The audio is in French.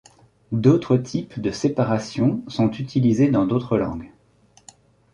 D’autres types de séparations sont utilisés dans d’autres langues.